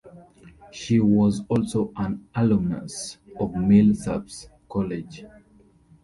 She was also an alumnus of Millsaps College.